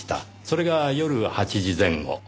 それが夜８時前後。